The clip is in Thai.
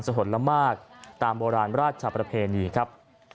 ถนนละมากตามโบราณราชประเพณีครับ